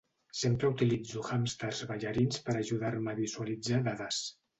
Sempre utilitzo hàmsters ballarins per ajudar-me a visualitzar dades.